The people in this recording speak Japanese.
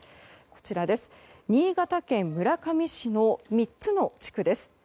こちら新潟県村上市の３つの地区です。